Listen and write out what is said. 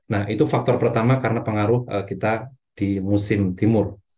nah itu faktor pertama karena pengaruh kita di musim timur